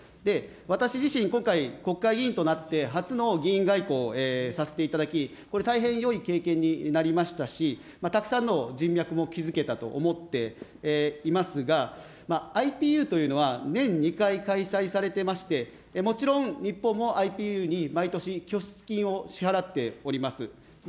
私自身、今回、国会議員となって初の議員外交をさせていただき、これ、大変よい経験になりましたし、たくさんの人脈も築けたと思っていますが、ＩＰＵというのは年２回開催されてまして、もちろん日本もＩＰＵに毎年拠出金を支払っております。